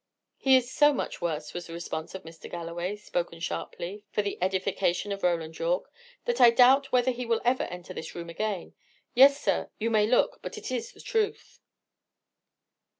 "He is so much worse," was the response of Mr. Galloway, spoken sharply, for the edification of Roland Yorke, "that I doubt whether he will ever enter this room again. Yes, sir, you may look; but it is the truth!"